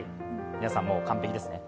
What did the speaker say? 皆さん、もう完璧ですね。